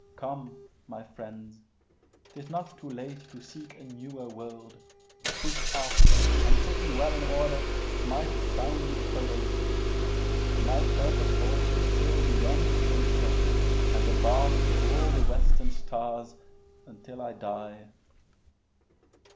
Come, my friends. 'Tis not too late to seek a newer world. Push off, and sitting well in order smite The sounding furrows; for my purpose holds To sail beyond the sunset, and the baths Of all the western stars, until I die.